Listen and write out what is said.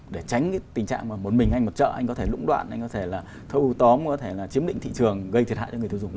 để tránh cái tình trạng mà một mình anh một chợ anh có thể lũng đoạn anh có thể là thâu tóm có thể là chiếm định thị trường gây thiệt hại cho người tiêu dùng